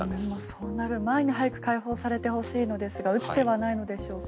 そうなる前に早く解放されてほしいのですが打つ手はないのでしょうか。